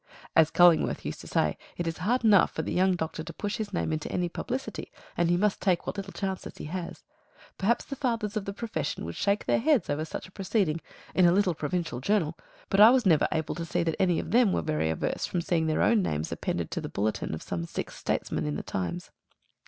As Cullingworth used to say, it is hard enough for the young doctor to push his name into any publicity, and he must take what little chances he has. Perhaps the fathers of the profession would shake their heads over such a proceeding in a little provincial journal; but I was never able to see that any of them were very averse from seeing their own names appended to the bulletin of some sick statesman in The Times.